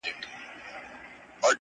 دنيا دوې ورځي ده.